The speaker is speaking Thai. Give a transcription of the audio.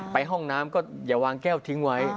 ห้องน้ำก็อย่าวางแก้วทิ้งไว้